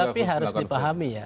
tapi harus dipahami ya